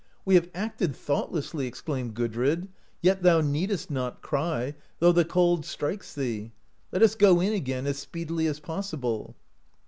"We have acted thoughtlessly," exclaimed Gudrid, "yet thou needest not cry, though the cold strikes thee; let us go in again as speedily as possi ble.